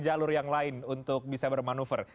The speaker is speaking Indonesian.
jalur yang lain untuk bisa bermanuver